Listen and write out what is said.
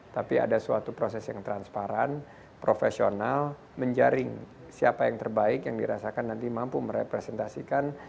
tapi ada suatu proses yang transparan profesional menjaring siapa yang terbaik yang dirasakan nanti mampu merepresentasikan